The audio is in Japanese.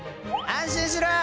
安心しろ！